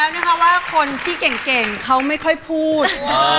บอกแล้วนะครับคนที่เก่งเขาไม่ค่อยพูด